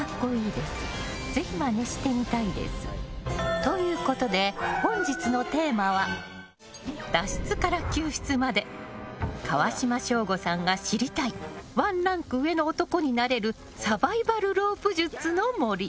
ということで本日のテーマは脱出から救出まで川島省吾さんが知りたいワンランク上の男になれるサバイバルロープ術の森。